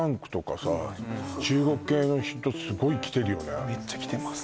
結構さめっちゃ来てます